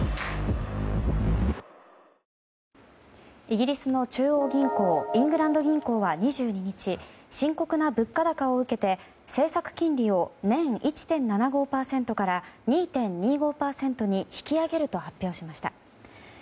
イギリスの中央銀行・イングランド銀行は２２日深刻な物価高を受けて政策金利を年１．７５％から２．２５％に引き上げると発表しました。